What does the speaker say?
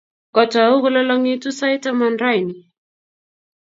Kotau kolalang'it sait taman raini.